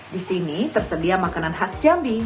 di sini tersedia makanan khas jambi